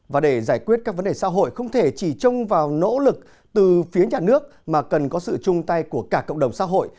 và để giải quyết các vấn đề xã hội không thể chỉ trông vào nỗ lực từ phía nhà nước mà cần có sự chung tay của cả cộng đồng xã hội